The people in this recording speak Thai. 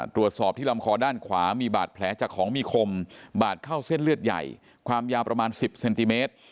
ตรวจสอบที่ลำคอด้านขวามีบาดแผลจากของมีคมบาดเข้าเส้นเลือดใหญ่ความยาวประมาณ๑๐เซนติเมตร